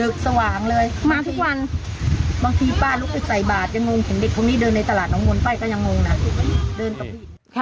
บางทีป้าลุกไปใส่บาทแบ่งงเสมอเห็นเด็กพนนี้เดินในตลาดนำวนไปก็ยังงงน่ะเดินต้องบี